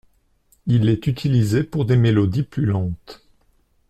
Il est utilisé pour des mélodies plus lentes.